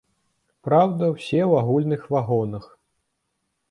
Праўда, усе ў агульных вагонах.